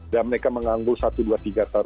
dan mereka menganggul satu dua tiga tahun